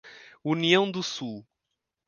União do Sul